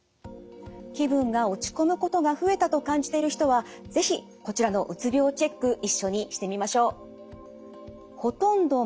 気分が落ち込むことが増えたと感じている人は是非こちらのうつ病をチェック一緒にしてみましょう。